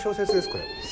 これ。